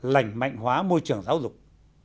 lành mạnh hóa môi trường giáo dục